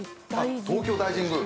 東京大神宮